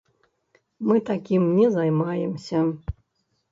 Мы такім не займаемся.